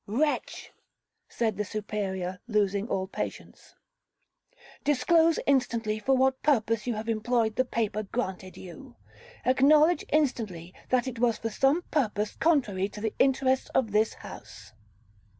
'Wretch!' said the Superior, losing all patience, 'disclose instantly for what purpose you have employed the paper granted you. Acknowledge instantly that it was for some purpose contrary to the interests of this house.'